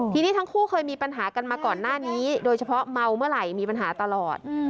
ทีนี้ทั้งคู่เคยมีปัญหากันมาก่อนหน้านี้โดยเฉพาะเมาเมื่อไหร่มีปัญหาตลอด